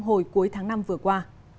hồi cuối tháng năm vừa qua